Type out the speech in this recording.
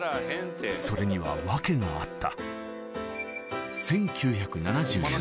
それには訳があった